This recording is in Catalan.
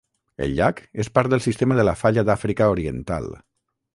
El llac és part del sistema de la falla d'Àfrica Oriental.